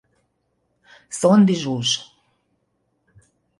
Szondy Zsuzs.